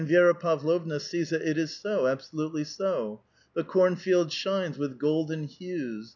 And Vi6ra Pavlovna sees that it is so, absolutely so. .•• The cornfield shines with golden hues.